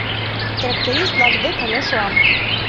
Тракторист-влак дек але шуам.